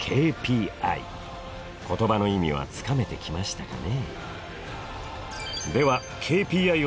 言葉の意味はつかめてきましたかね？